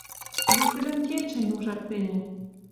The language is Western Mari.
Вет тӹдӹм кечӹнь ужат тӹньӹ». —